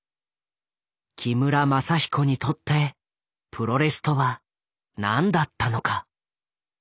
木村政彦にとってプロレスとは何だったのか。